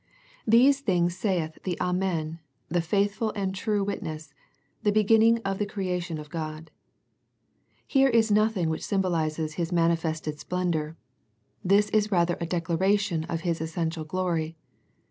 " These things saith the Amen, the faithful and true Witness, the Beginning of the creation of God." Here is nothing which symbolizes His mani fested splendour. This is rather a declaration of His essential glory.